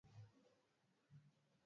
Tulishindwa bwana.